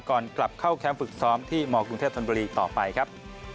ก่อนกลับเข้าแคมป์ฝึกซ้อมที่มกรุงเทพธนบุรีต่อไปครับ